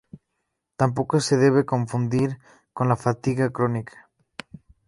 Tampoco se debe confundir con la fatiga crónica.